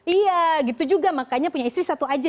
iya gitu juga makanya punya istri satu aja